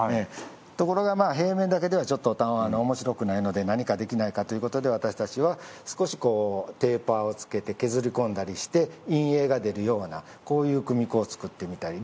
ところが平面だけではちょっとおもしろくないので何かできないかということで私たちは少しテーパーをつけて削り込んだりして陰影が出るようなこういう組子を作ってみたり。